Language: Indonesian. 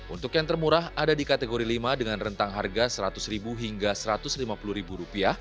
untuk yang termurah ada di kategori lima dengan rentang harga rp seratus hingga rp satu ratus lima puluh